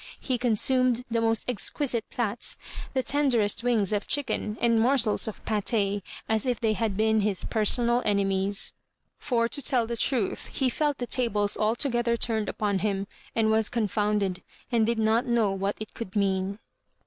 He consumed the most exquisite plats^ the tenderest wings of chicken and morsels of pate, as if they had been his .personal enemies. Fqr, to tell the truth, he felt the tables altogether turned upon him, and. was confounded, and did not know what it could mean.